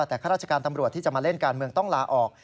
แต่ข้าราชการตำรวจที่จะมาเล่นการเมืองต้องลาออก